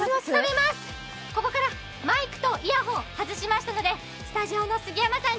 ここからマイクとイヤホン外しましたのでスタジオの杉山さん